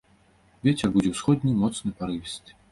Вецер будзе ўсходні, моцны парывісты.